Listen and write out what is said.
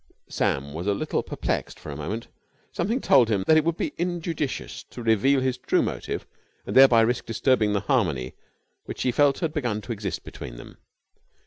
Sam was a little perplexed for a moment. Something told him that it would be injudicious to reveal his true motive and thereby risk disturbing the harmony which he felt had begun to exist between them.